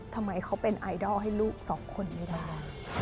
ทำไมเขาเป็นไอดอลให้ลูกสองคนไม่ได้